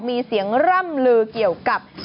มีเสียงร่ำลือเกี่ยวกับ